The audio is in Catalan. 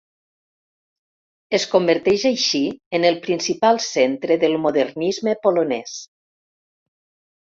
Es converteix així en el principal centre del modernisme polonès.